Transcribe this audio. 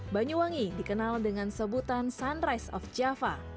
banyuwangi dikenal dengan sebutan sunrise of java